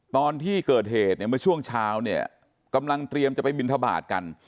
ตอนที่เกิดเหตุเนี่ยเมื่อช่วงเช้าเนี่ยกำลังเตรียมจะไปบินทบาทกัน